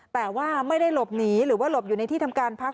แต่ว่าไม่ได้หลบหนีหรือว่าหลบอยู่ในที่ทำการพัก